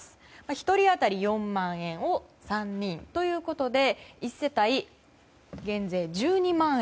１人当たり４万円を３人ということで１世帯、減税１２万円